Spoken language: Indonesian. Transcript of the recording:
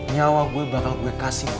nyawa gue bakal gue kasih buat lo